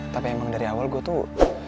tapi emang dari awal gue tuh